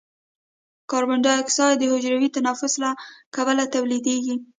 کاربن ډای اکساید د حجروي تنفس له کبله تولیدیږي.